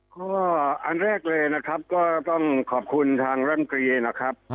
ก็อันแรกเลยนะครับก็ต้องขอบคุณทางร่ำตรีนะครับ